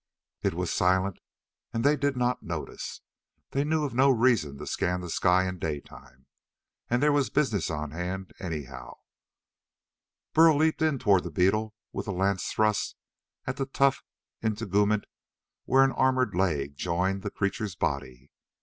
It was silent, and they did not notice. They knew of no reason to scan the sky in daytime. And there was business on hand, anyhow. Burl leaped in toward the beetle with a lance thrust at the tough integument where an armored leg joined the creature's body.